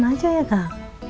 minah jualan aja ya kang